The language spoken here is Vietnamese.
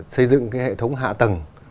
xây dựng hệ thống hạ tầng